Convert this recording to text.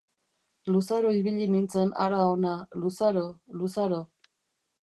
Luzaro ibili nintzen hara-hona, luzaro, luzaro.